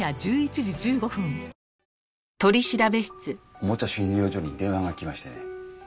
おもちゃ診療所に電話がきましてね。